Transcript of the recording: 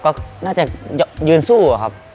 ก็น่าจะยืนสู้อะครับ